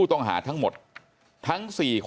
จังหวัดสุราชธานี